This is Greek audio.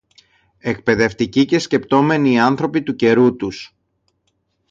εκπαιδευτικοί και σκεπτόμενοι άνθρωποι του καιρού τους